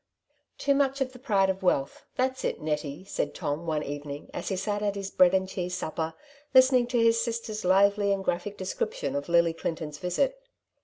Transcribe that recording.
" Too much of the pride of wealth, that's it, Nettie/' said Tom one evening as he sat at his breadr and cheese supper listening to his sister's lively and graphic description of Lily Clinton's visit.